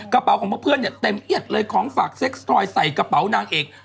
กระเป๋าของพวกเพื่อนเนี่ยเต็มเอียดเลยของฝากเซ็กสทอยใส่กระเป๋านางเอก